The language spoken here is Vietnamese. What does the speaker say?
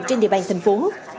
trên địa bàn thành phố